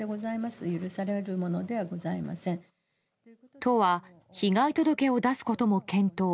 都は被害届を出すことも検討。